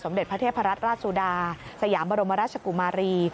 เด็จพระเทพรัตนราชสุดาสยามบรมราชกุมารี